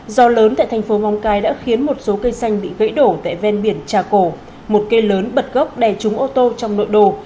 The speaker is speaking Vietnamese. do lớn tại thành phố móng cái đã khiến một số cây xanh bị gãy đổ tại ven biển trà cổ một cây lớn bật gốc đè trúng ô tô trong nội đô